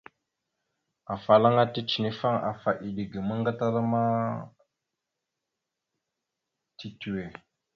Afalaŋa ticənefaŋ afa eɗe ga ammaŋ gatala ma titəwe.